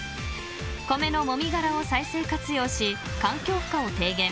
米のもみ殻を再生活用し環境負荷を低減。